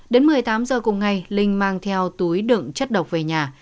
đến một mươi tám giờ cùng ngày linh mang theo túi đựng chất độc về nhà